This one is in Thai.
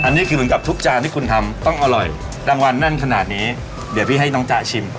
อันนี้คือเหมือนกับทุกจานที่คุณทำต้องอร่อยรางวัลแน่นขนาดนี้เดี๋ยวพี่ให้น้องจ๊ะชิม